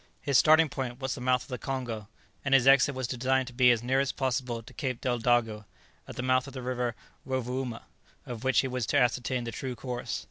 His starting point was the mouth of the Congo, and his exit was designed to be as near as possible to Cape Deldago, at the mouth of the River Rovouma, of which he was to ascertain the true course.